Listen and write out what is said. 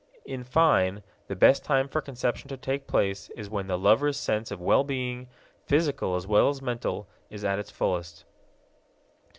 In fine, the best time for conception to take place is when the lovers' sense of well being, physical as well as mental, is at its fullest.